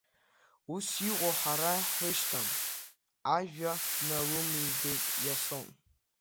Ус иҟоу ҳара ҳрышьҭам, ажәа налымидеит Иасон.